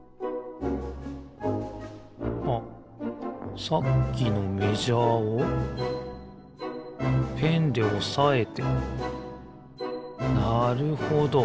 あっさっきのメジャーをペンでおさえてなるほど。